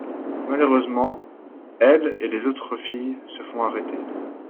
Malheureusement, elle et les autres filles se font arrêter.